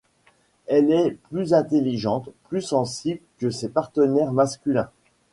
Elle est plus intelligente, plus sensible que ses partenaires masculins.